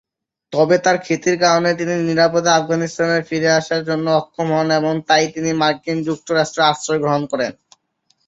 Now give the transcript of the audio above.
তবে, তার খ্যাতির কারণে তিনি নিরাপদে আফগানিস্তানে ফিরে আসার জন্য অক্ষম হন এবং তাই তিনি মার্কিন যুক্তরাষ্ট্রে আশ্রয় গ্রহণ করেন।